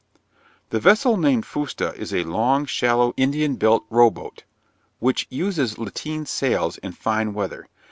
The vessel named fusta is a long, shallow, Indian built row boat, which uses latine sails in fine weather.